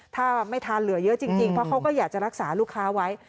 ถ้าไม่ทานเหลือเยอะจริงเพราะเขาก็อยากจะรักษาลูกค้าไว้